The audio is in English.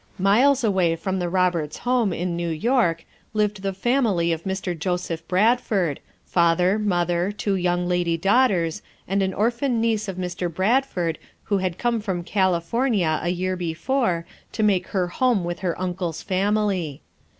Miles away from the Roberts home, iu New York, lived the family of Mr. Joseph Bradford, father, mother, two young lady daughters, and an orphaned niece of Mr. Bradford who had come from California a year before to make her home with her uncle's family.